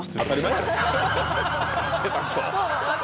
下手くそ！